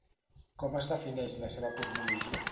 Com es defineix la seva cosmologia?